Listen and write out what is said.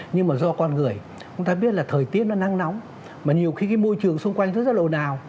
nhưng mà do con người chúng ta biết là thời tiết nó năng nóng mà nhiều khi cái môi trường xung quanh rất là lồ nào